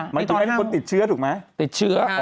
หมายถึงให้คนติดเชื้อถูกไหมติดเชื้อ